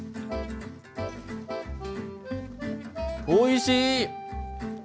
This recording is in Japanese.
おいしい！